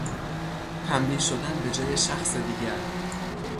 تنبیه شدن به جای شخص دیگر